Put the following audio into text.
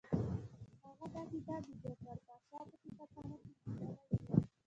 هغه دا کتاب د جعفر پاشا په کتابخانه کې موندلی وو.